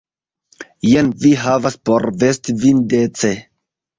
Jen vi havas por vesti vin dece.